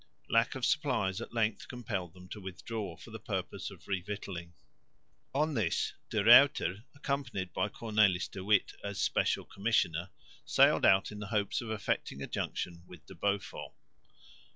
Lack of supplies at length compelled them to withdraw for the purpose of revictualling. On this De Ruyter, accompanied by Cornelis de Witt as special commissioner, sailed out in the hopes of effecting a junction with De Beaufort.